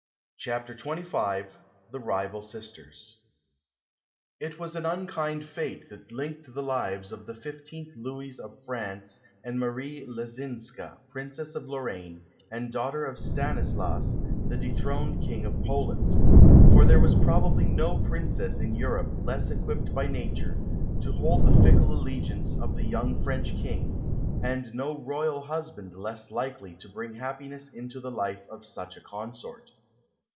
CHAPTER XXV THE RIVAL SISTERS It was an unkind fate that linked the lives of the fifteenth Louis of France and Marie Leczinska, Princess of Lorraine, and daughter of Stanislas, the dethroned King of Poland; for there was probably no Princess in Europe less equipped by nature to hold the fickle allegiance of the young French King, and no Royal husband less likely to bring happiness into the life of such a consort.